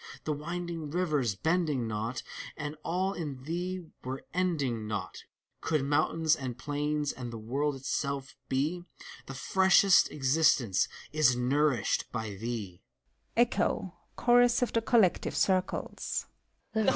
The winding rivers bending not, And all in thee were ending not, Could mountains, and plains, and the world itself, bef Thr freshest existence is nourished by thee!